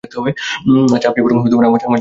আচ্ছা, আপনি বরং আমার জায়গায় খেলতে বসুন না?